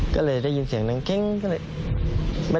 ก็เลยได้ยินเสียงนั้น